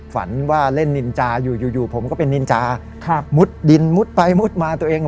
ฝันว่าเล่นนินจาอยู่อยู่ผมก็เป็นนินจาครับมุดดินมุดไปมุดมาตัวเอง